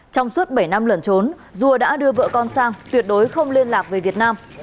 trong suốt bảy năm lẩn trốn dua đã đưa vợ con sang tuyệt đối không liên lạc về việt nam